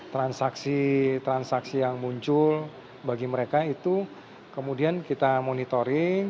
transaksi transaksi yang muncul bagi mereka itu kemudian kita monitoring